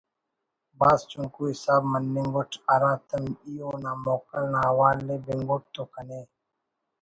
بھاز چُنکو حساب مننگ اُٹ“ ہراتم ای اونا موکل نا حوال ءِ بنگُٹ تو کنے